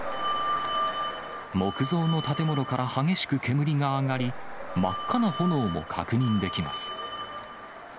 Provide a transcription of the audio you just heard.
木造の建物から激しく煙が上がり、真っ赤な炎も確認できます。